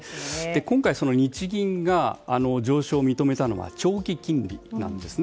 今回、日銀が上昇を認めたのは長期金利なんですね。